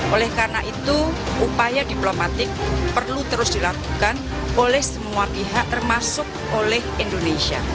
oleh karena itu upaya diplomatik perlu terus dilakukan oleh semua pihak termasuk oleh indonesia